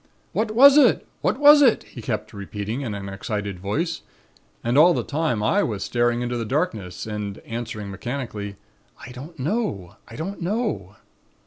'What was it? What was it?' he kept repeating in an excited voice. And all the time I was staring into the darkness and answering, mechanically, 'I don't know. I don't know.'